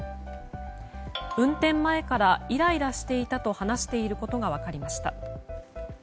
運転前からイライラしていたと話していることが分かりました。